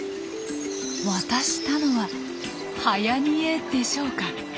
渡したのははやにえでしょうか？